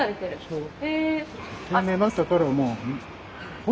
そう。